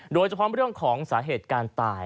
โดยเฉพาะเรื่องของสาเหตุการณ์ตาย